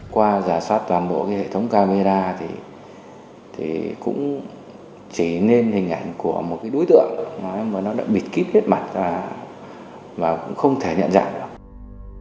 qua giả soát toàn bộ hệ thống camera thì cũng chỉ nên hình ảnh của một đối tượng mà nó đã bịt kíp hết mặt và cũng không thể nhận dạng được